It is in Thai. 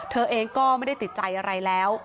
เธอเองก็ไม่ได้ติดใจอะไรแล้ว